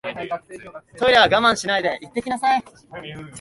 トイレは我慢しないで行ってきなさい